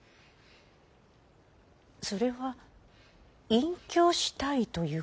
それは隠居したいということ？